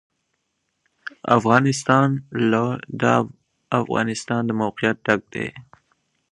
افغانستان له د افغانستان د موقعیت ډک دی.